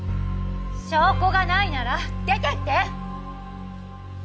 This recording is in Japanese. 証拠がないなら出てって！